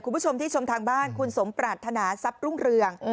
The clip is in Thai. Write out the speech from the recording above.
คุณผู้ชมที่ชมทางบ้านคุณสมปรารถนาทรัพย์รุ่งเรือง